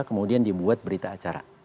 kemudian dibuat berita acara